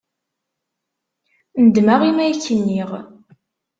Nedmeɣ imi ay ak-nniɣ.